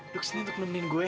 duk sini untuk nemenin gue